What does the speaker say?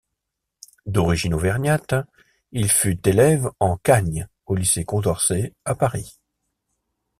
D'origine auvergnate, il fut élève en khâgne au lycée Condorcet à Paris.